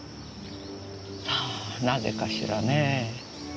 さあなぜかしらねぇ。